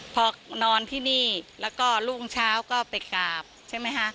พอนอนที่นี่แล้วก็รุ่งเช้าก็ไปกราบใช่ไหมคะ